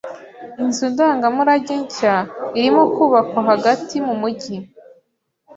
Inzu ndangamurage nshya irimo kubakwa hagati mu mujyi.